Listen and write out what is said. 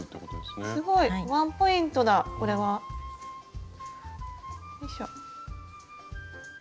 すごいワンポイントだこれは。よいしょ。